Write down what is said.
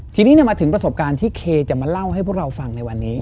ทีนี้มาถึงประสบการณ์ที่เคจะมาเล่าให้พวกเราฟังในวันนี้